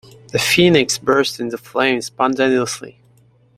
The phoenix burst into flames spontaneously.